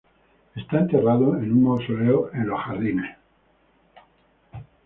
Está enterrado en un mausoleo en los jardines.